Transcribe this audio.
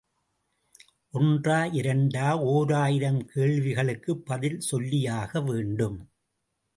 ஒன்றா இரண்டா ஓராயிரம் கேள்விகளுக்குப் பதில் சொல்லியாக வேண்டும்.